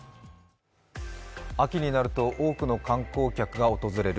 秋になると多くの観光客が訪れる